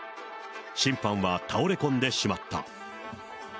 審判は倒れ込んでしまった。